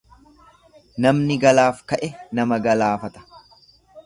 Namni galaaf ka'e nama galaafata.